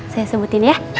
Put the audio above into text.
saya sebutin ya